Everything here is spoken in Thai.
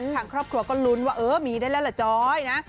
ทางครอบครัวก็ลุ้นว่าเออมีได้แล้วล่ะจ้อยนะ